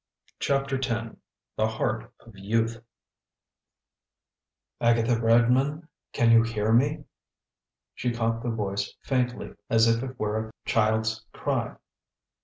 CHAPTER X THE HEART OF YOUTH "Agatha Redmond, can you hear me?" She caught the voice faintly, as if it were a child's cry.